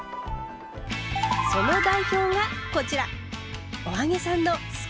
その代表がこちら！